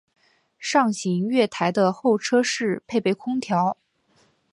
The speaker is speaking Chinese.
上行月台的候车室配备空调。